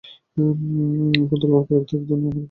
এখন তলোয়ারের পরিবর্তে আর-এক জন আমার পাণিগ্রহণ করিয়াছে।